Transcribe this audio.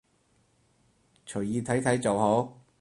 隨意睇睇就好